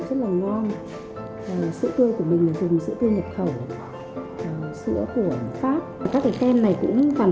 rất là ngon sữa tươi của mình để dùng sữa tươi nhập khẩu sữa của pháp các cái kem này cũng bằng